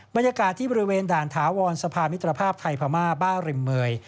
บรรยากาศที่บริเวณด่านถาวรสภามิตรภาพไทยพม่าบ้าริมเมย